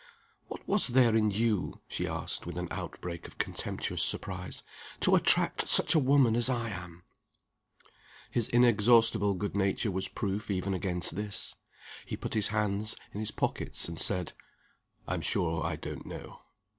What was there in you," she asked, with an outbreak of contemptuous surprise, "to attract such a woman as I am?" His inexhaustible good nature was proof even against this. He put his hands in his pockets, and said, "I'm sure I don't know."